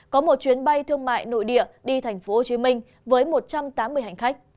có một chuyến bay thương mại nội địa đi tp hcm với một trăm tám mươi hành khách